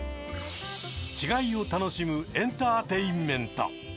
違いを楽しむエンターテインメント！